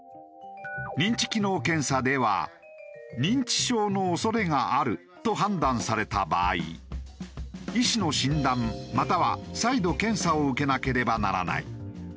認知機能検査では「認知症のおそれがある」と判断された場合医師の診断または再度検査を受けなければならない。